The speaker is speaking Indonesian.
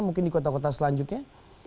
mungkin di kota kota selanjutnya